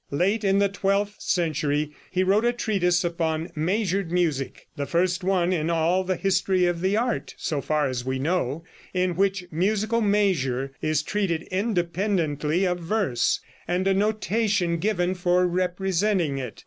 Late in the twelfth century he wrote a treatise upon measured music, the first one in all the history of the art, so far as we know, in which musical measure is treated independently of verse, and a notation given for representing it.